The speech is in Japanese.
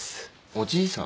おじいさん？